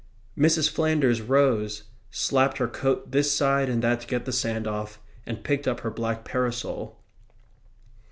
Mrs. Flanders rose, slapped her coat this side and that to get the sand off, and picked up her black parasol.